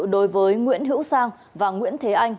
đối với nguyễn hữu sang và nguyễn thế anh